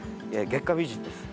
月下美人です。